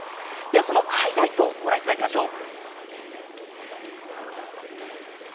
そのハイライトをご覧いただきましょう。